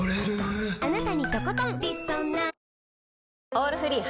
「オールフリー」